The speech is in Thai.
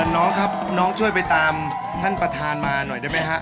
น้องครับน้องช่วยไปตามท่านประธานมาหน่อยได้ไหมฮะ